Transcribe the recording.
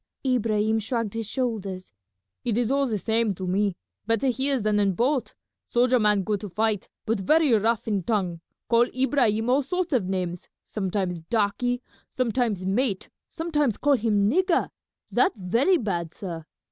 Ibrahim shrugged his shoulders. "It is all the same to me; better here than in boat. Soldier man good to fight, but very rough in tongue; call Ibrahim all sorts of names, sometimes Darkie, sometimes Mate, sometimes call him Nigger, that very bad, sah.